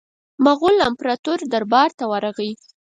د مغول امپراطور دربار ته ورغی.